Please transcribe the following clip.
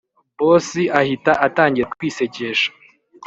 boss ahita atangira kwisekesha